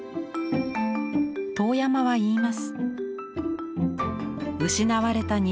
遠山は言います。